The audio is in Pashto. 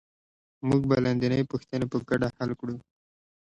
موږ به لاندینۍ پوښتنې په ګډه حل کړو